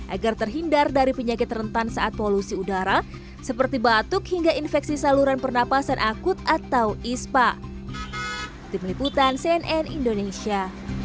agar terhindar dari penyakit rentan saat polusi udara seperti batuk hingga infeksi saluran pernapasan akut atau ispa